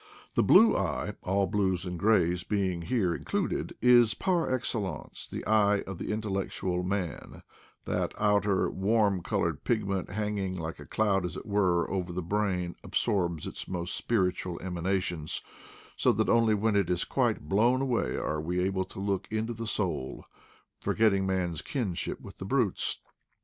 The blue eye — all blues and grays being here in cluded — is par excellence, the eye of intellectual man: that outer warm colored pigment hanging like a cloud, as it were, over the brain absorbs its 136 IDLE DAYS IN PATAGONIA most spiritual emanations, so that only when it is quite blown away are we able to look into the soul, forgetting man's kinship with the brutes.